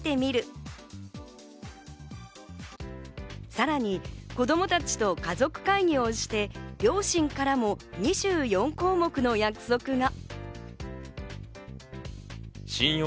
さらに子供たちと家族会議をして、両親からも２４項目の約束が。